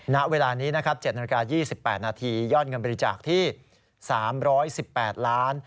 ณเวลานี้๗นาฬิกา๒๘นาทียอดเงินบริจาคที่๓๑๘๕๔๓๗๗๔บาท